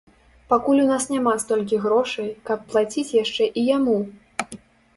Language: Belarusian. Пакуль у нас няма столькі грошай, каб плаціць яшчэ і яму.